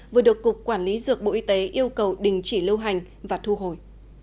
vừa được cục quản lý dược bộ y tế yêu cầu đình chỉ lưu hành và thu hồi